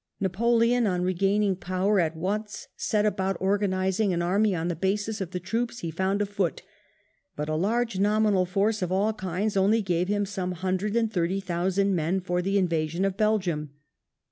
Napoleon, on regaining power, at once set about organising an army on the basis of the troops he found afoot, but a large nominal force of all kinds only gave him some hundred and thirty thousand men for the invasion of Belgium.